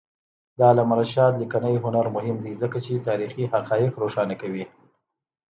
د علامه رشاد لیکنی هنر مهم دی ځکه چې تاریخي حقایق روښانه کوي.